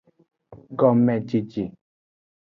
Gomejeje.